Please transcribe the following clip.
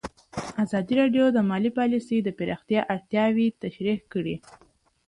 ازادي راډیو د مالي پالیسي د پراختیا اړتیاوې تشریح کړي.